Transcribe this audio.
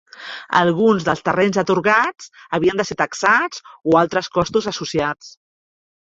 Alguns dels terrenys atorgats havien de ser taxats o altres costos associats.